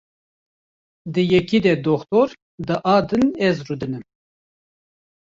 Di yekê de Dr. di a din ez rûdinim.